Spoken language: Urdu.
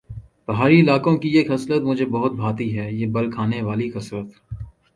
پہاڑی علاقوں کی یہ خصلت مجھے بہت بھاتی ہے یہ بل کھانے والی خصلت